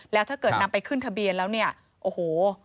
แล้วถ้าเกิดนำไปขึ้นทะเบียนแล้วเนี่ยโอ้โห